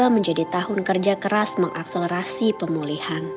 dua ribu dua puluh dua menjadi tahun kerja keras mengakselerasi pemulihan